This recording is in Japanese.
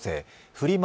フリマ